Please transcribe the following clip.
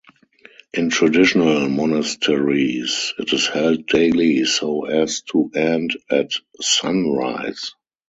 In traditional monasteries it is held daily so as to end at sunrise.